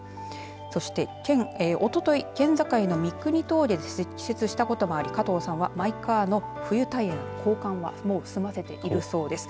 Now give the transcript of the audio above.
そして、おととい県境の三国峠で積雪したこともあり加藤さんはマイカーの冬タイヤへの交換はもう済ませているそうです。